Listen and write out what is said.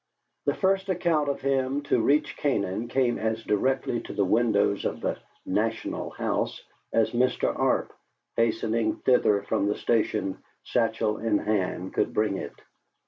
The first account of him to reach Canaan came as directly to the windows of the "National House" as Mr. Arp, hastening thither from the station, satchel in hand, could bring it.